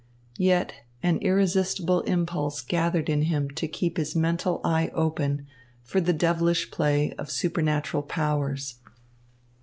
Yet an irresistible impulse gathered in him to keep his mental eye open for the devilish play of supernatural powers.